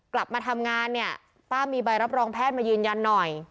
กลับมาทำงานเนี่ยป้ามีใบรับรองแพทย์มายืนยันหน่อย